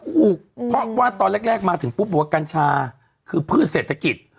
ถูกเพราะว่าตอนแรกมาถึงปุ๊บบอกว่ากัญชาคือพืชเศรษฐกิจ